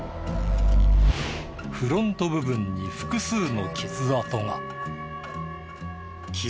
フロント部分に複数の傷跡が。